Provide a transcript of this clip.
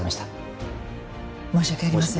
申し訳ありません。